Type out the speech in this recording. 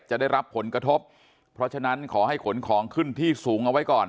จะได้รับผลกระทบเพราะฉะนั้นขอให้ขนของขึ้นที่สูงเอาไว้ก่อน